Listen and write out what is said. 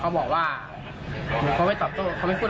เขาบอกว่าอย่าไปยุ่งต้นเลยมันเมามันเมามันเมา